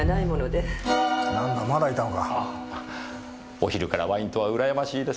お昼からワインとはうらやましいですねぇ。